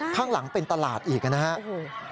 ข้างหลังเป็นตลาดอีกนะครับ